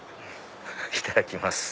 いただきます。